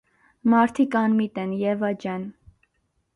Մարդիկ անմիտ են, Եվա ջան.